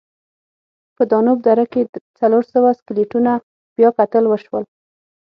په دانوب دره کې څلور سوه سکلیټونه بیاکتل وشول.